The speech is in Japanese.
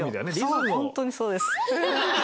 そうホントにそうです。